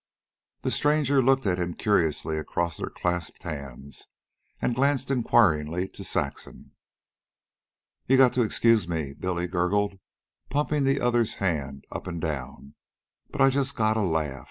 The stranger looked at him curiously across their clasped hands, and glanced inquiringly to Saxon. "You gotta excuse me," Billy gurgled, pumping the other's hand up and down. "But I just gotta laugh.